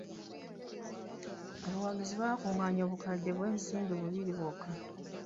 Abawagizi baakungaanya obukadde bw'ensimbi bubiri bwokka.